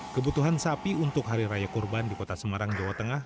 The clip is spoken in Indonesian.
kebutuhan sapi untuk hari raya kurban di kota semarang jawa tengah